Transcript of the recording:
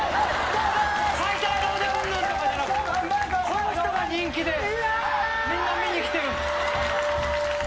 この人が人気でみんな見に来てるんすか！？